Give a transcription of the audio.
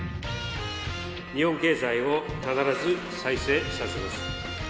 日本経済を必ず再生させます。